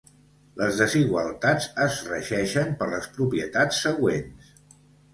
Les desigualtats es regeixen per les propietats següents.